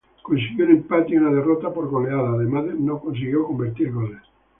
Consiguió un empate y una derrota por goleada, además, no consiguió convertir goles.